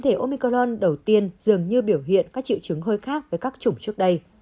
thể omicallon đầu tiên dường như biểu hiện các triệu chứng hơi khác với các chủng trước đây